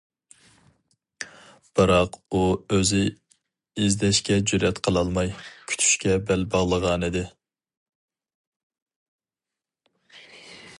بىراق، ئۇ ئۆزى ئىزدەشكە جۈرئەت قىلالماي، كۈتۈشكە بەل باغلىغانىدى.